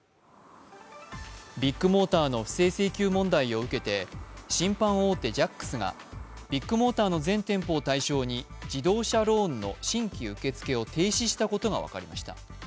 ビッグモーターの不正請求問題を受けて信販大手ジャックスがビッグモーターの全店舗を対象に、自動車ローンの新規受け付けを停止したことが分かりました。